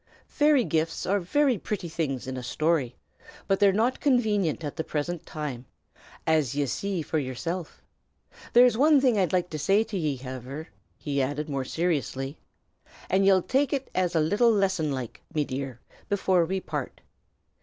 Fairy gifts are very pretty things in a story, but they're not convenient at the present time, as ye see for yourself. There's one thing I'd like to say to ye, however," he added more seriously; "an' ye'll take it as a little lesson like, me dear, before we part.